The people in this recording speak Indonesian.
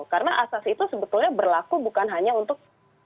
karena asas itu sebetulnya berlaku bukan hanya untuk